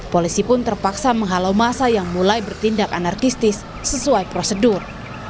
polisi pun terpaksa menghalau masa yang mulai bertindak anarkistis sesuai prosedur